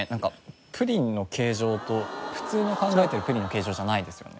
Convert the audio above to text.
プリンの形状と普通の考えてるプリンの形状じゃないですよね。